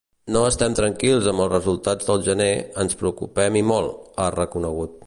“No estem tranquils amb els resultats del gener; ens preocupen i molt”, ha reconegut.